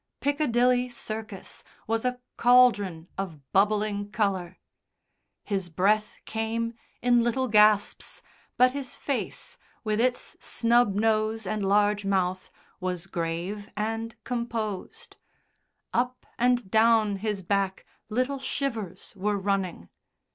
Piccadilly Circus was a cauldron of bubbling colour. His breath came in little gasps, but his face, with its snub nose and large mouth, was grave and composed; up and down his back little shivers were running.